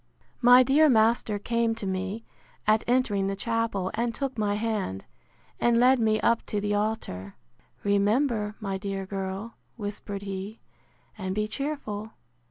My dear master came to me, at entering the chapel, and took my hand, and led me up to the altar. Remember, my dear girl, whispered he, and be cheerful.